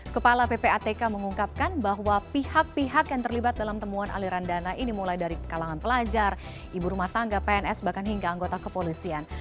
kepala ppatk mengungkapkan bahwa pihak pihak yang terlibat dalam temuan aliran dana ini mulai dari kalangan pelajar ibu rumah tangga pns bahkan hingga anggota kepolisian